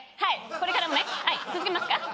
これからもね続けますか？